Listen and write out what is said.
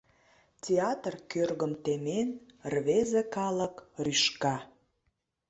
Театр кӧргым темен, рвезе калык рӱжга.